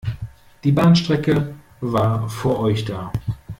Die Bahnstrecke war vor euch da.